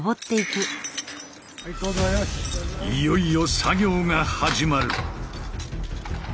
いよいよ作業が始まる。